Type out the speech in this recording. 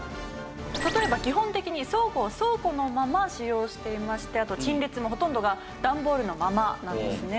例えば基本的に倉庫を倉庫のまま使用していましてあと陳列もほとんどが段ボールのままなんですね。